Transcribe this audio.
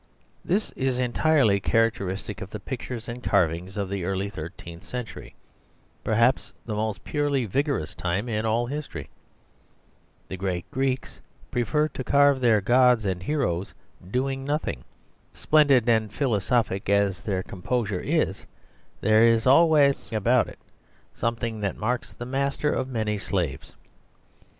This is entirely characteristic of the pictures and carvings of the early thirteenth century, perhaps the most purely vigorous time in all history. The great Greeks preferred to carve their gods and heroes doing nothing. Splendid and philosophic as their composure is there is always about it something that marks the master of many slaves.